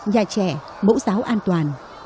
nhà trẻ mẫu giáo an toàn